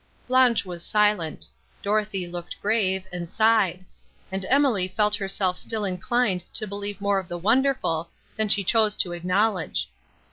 Blanche was silent; Dorothée looked grave, and sighed; and Emily felt herself still inclined to believe more of the wonderful, than she chose to acknowledge.